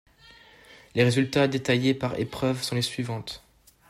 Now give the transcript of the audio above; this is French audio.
Les résultats détaillés par épreuve sont les suivants.